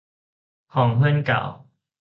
ของเพื่อนเก่า